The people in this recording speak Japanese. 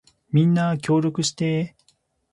みんな協力してー